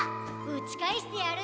うちかえしてやる！